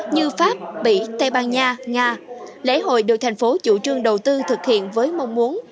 như pháp bỉ tây ban nha nga lễ hội được thành phố chủ trương đầu tư thực hiện với mong muốn